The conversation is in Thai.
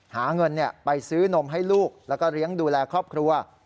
หาเงินไปซื้อนมให้ลูกแล้วก็เลี้ยงดูแลครอบครัว